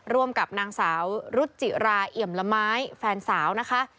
ร่วมกับนางสาวรุจิราเอี่ยมละไม้แฟนสาวนะคะ